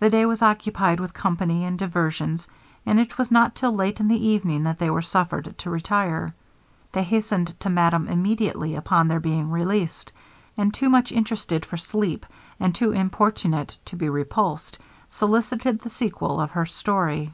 The day was occupied with company and diversions, and it was not till late in the evening that they were suffered to retire. They hastened to madame immediately upon their being released; and too much interested for sleep, and too importunate to be repulsed, solicited the sequel of her story.